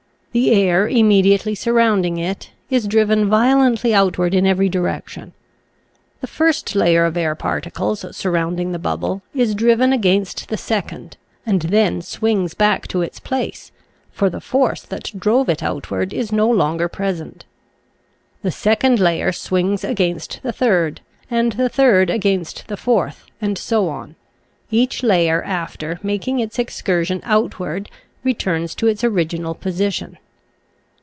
The air immediately surrounding it is driven violently outward in every direc tion. The first layer of air particles, sur rounding the bubble, is driven against the second and then swings back to its place, for the force that drove it outward is no longer present. The second layer swings against the third and the third against the fourth, and so on; each layer after making its excursion outward returns to its original position.